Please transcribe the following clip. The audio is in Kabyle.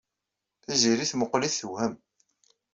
Tiziri temmuqqel-it, tewhem.